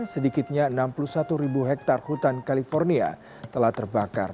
sedikitnya enam puluh satu ribu hektare hutan california telah terbakar